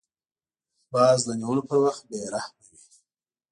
باز د نیولو پر وخت بې رحمه وي